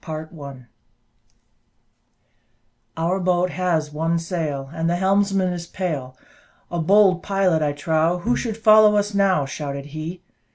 Chapter XI "Our boat has one sail, And the helmsman is pale; A bold pilot, I trow Who should follow us now," Shouted he.